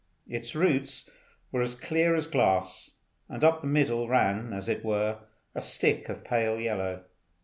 Its roots were as clear as glass, and up the middle ran, as it were, a stick of pale yellow.